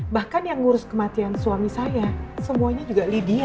bahkan yang ngurus kematian suami saya semuanya juga lydia